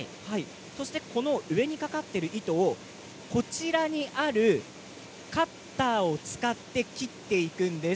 そして上にかかっている糸、こちらにあるカッターを使って切っていくんです。